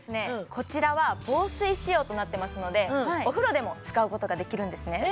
こちらは防水仕様となってますのでお風呂でも使うことができるんですね